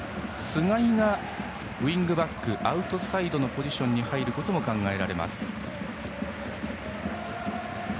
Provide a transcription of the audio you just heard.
須貝がウイングバックアウトサイドのポジションに入ることも考えられます。